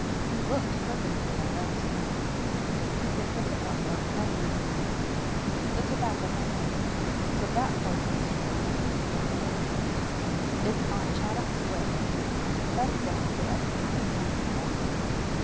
"He looked perfectly all right to me." He picked up the phone book and leafed through it. "Here it is—the Tobacco Mart. So that part of his story wasn't invented, at least. It's on Chatham Square. That's down at the edge of Chinatown, isn't it?"